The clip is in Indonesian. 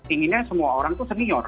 inginnya semua orang itu senior